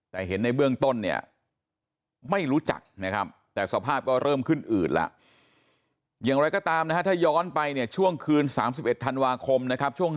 แต่เห็นในเบื้องต้นเนี่ยไม่รู้จักนะครับ